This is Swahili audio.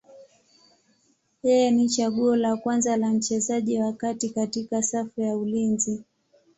Yeye ni chaguo la kwanza la mchezaji wa kati katika safu ya ulinzi.